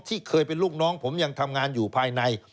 เคยเป็นลูกน้องผมยังทำงานอยู่ภายใน